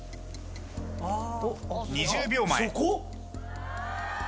２０秒前。